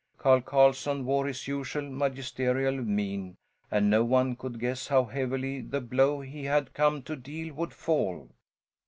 Carl Carlson wore his usual magisterial mien and no one could guess how heavily the blow he had come to deal would fall.